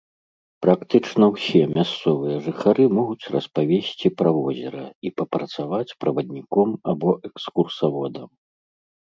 Практычна ўсе мясцовыя жыхары могуць распавесці пра возера і папрацаваць правадніком або экскурсаводам.